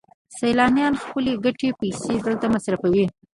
سیلانیان خپلې ګټلې پیسې دلته مصرفوي